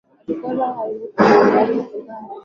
walikosoa uharibifu wa mauaji ya kimbari